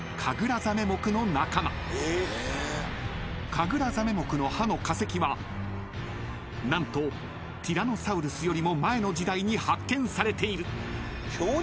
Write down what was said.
［カグラザメ目の歯の化石はなんとティラノサウルスよりも前の時代に発見されている］